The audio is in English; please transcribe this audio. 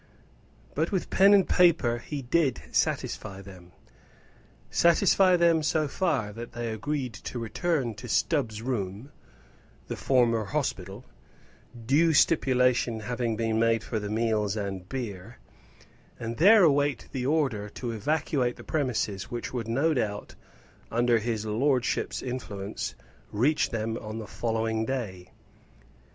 But with pen and paper he did satisfy them; satisfy them so far that they agreed to return to Stubbs' room, the former hospital, due stipulation having been made for the meals and beer, and there await the order to evacuate the premises which would no doubt, under his lordship's influence, reach them on the following day.